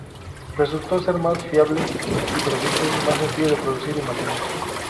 Resultó ser más fiable y preciso, y más sencillo de producir y mantener.